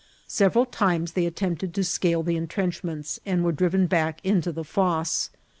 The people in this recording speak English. Sev* ^al times they attempted to scale the intrenchments, and were driven back into the fosse.